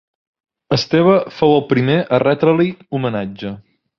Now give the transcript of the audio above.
Esteve fou el primer a retre-li homenatge.